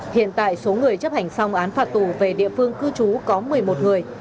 hiện tại số người chấp hành xong án phạt tù về địa phương cư trú có một mươi một người